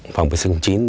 phòng vệ sinh chính